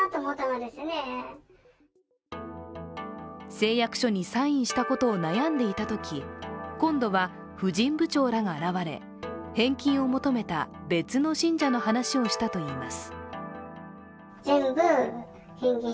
誓約書にサインしたことを悩んでいたとき今度は婦人部長らが現れ返金を求めた別の信者の話をしたといいます。